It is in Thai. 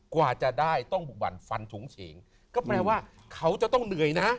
กว่าจะได้ต้องบุกบันฟันฉงเฉงก็แปลว่าเขาจะต้องเหนื่อยนะ